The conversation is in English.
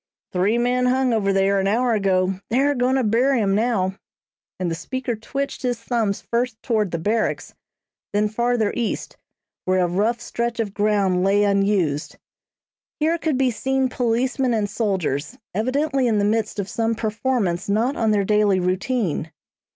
"Three men hung over there, an hour ago. They're goin' to bury 'em now," and the speaker twitched his thumbs first toward the Barracks, then farther east, where a rough stretch of ground lay unused. Here could be seen policemen and soldiers, evidently in the midst of some performance not on their daily routine.